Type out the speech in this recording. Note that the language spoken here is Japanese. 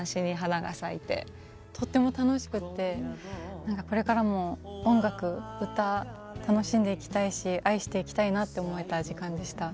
とっても楽しくって何かこれからも音楽歌楽しんでいきたいし愛していきたいなと思えた時間でした。